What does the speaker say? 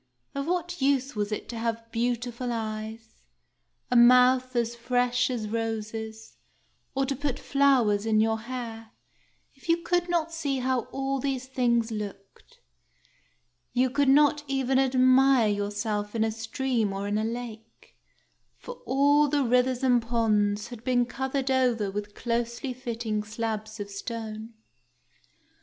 Of what use was it to have beautiful eyes, a mouth as fresh as roses, or to put flowers in your hair, if you could not see how all these things looked? You could not even admire yourself in a stream or in a lake, for all the rivers and ponds had been covered over with closely fitting slabs of stone.